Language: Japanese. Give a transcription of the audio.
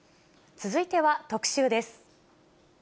続いては特集です。